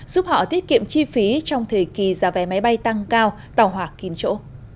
giúp họ tiết kiệm chi phí trong thời kỳ giá vé máy bay tăng cao tàu hỏa kín chỗ